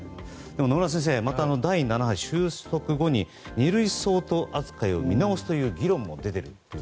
野村先生、収束後に二類相当扱いを見直すという議論も出ていると。